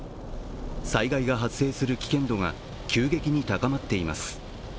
災害が発生する危険度が急激に高まっています